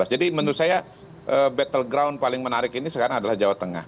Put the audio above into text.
jadi menurut saya battle ground paling menarik ini sekarang adalah jawa tengah